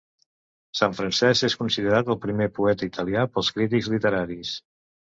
Sant Francesc és considerat el primer poeta italià pels crítics literaris.